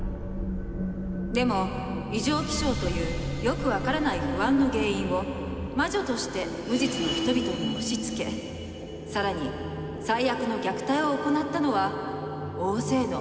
でも異常気象というよく分からない不安の原因を魔女として無実の人々に押しつけ更に最悪の虐待を行ったのは大勢のごく普通の人たち。